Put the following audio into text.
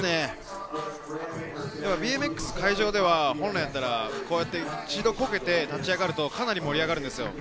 ＢＭＸの会場では本来なら、一度こけて立ち上がるとかなり盛り上がるんですよ。